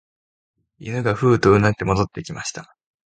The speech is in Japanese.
犬がふうと唸って戻ってきました